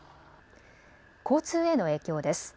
交通への影響です。